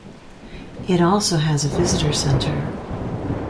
It also has a visitor center.